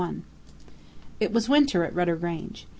It was winter at Rudder Grange.